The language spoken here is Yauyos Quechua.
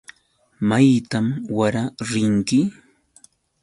¿Maytan wara rinki?